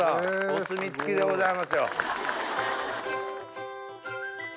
お墨付きでございますよ。